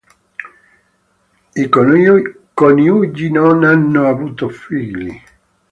I coniugi non hanno avuto figli.